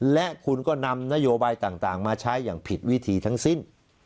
และคุณก็นำนโยบายต่างมาใช้อย่างผิดวิธีทั้งสิ้น